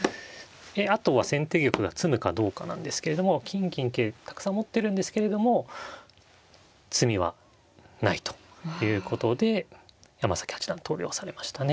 あとは先手玉が詰むかどうかなんですけれども金銀桂たくさん持ってるんですけれども詰みはないということで山崎八段投了されましたね。